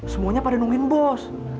semuanya pada nungguin bos